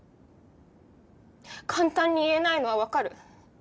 簡単に言えないのはわかる。